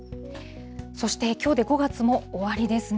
そしてきょうで５月も終わりですね。